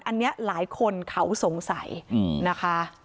อันนี้หลายคนเขาสงสัยนะคะ